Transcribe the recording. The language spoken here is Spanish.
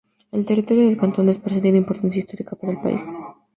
El territorio del cantón de Esparza tiene importancia histórica para el país.